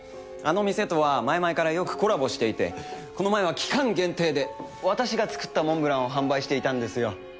あの店とは前々からよくコラボしていてこの前は期間限定で私が作ったモンブランを販売していたんですよ。